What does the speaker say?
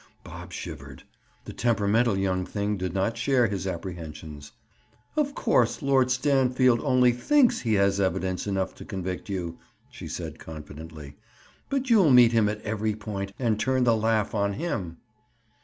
Bob shivered. The temperamental young thing did not share his apprehensions. "Of course, Lord Stanfield only thinks he has evidence enough to convict you," she said confidently. "But you'll meet him at every point and turn the laugh on him."